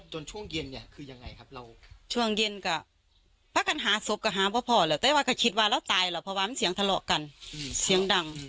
ช่วงเย็นเนี่ยคือยังไงครับเราช่วงเย็นก็พักกันหาศพก็หาพ่อพ่อแล้วแต่ว่าก็คิดว่าเราตายแล้วเพราะว่ามันเสียงทะเลาะกันเสียงดัง